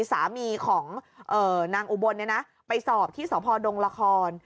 สามีของนางอุบลไปสอบที่สพดงละคร